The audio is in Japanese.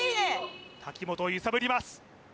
瀧本を揺さぶります